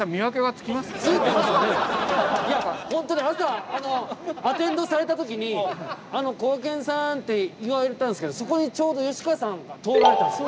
ホントに朝アテンドされた時に「あのこがけんさん」って言われたんですけどそこにちょうど吉川さんが通られたんです。